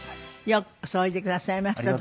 ようこそおいでくださいました。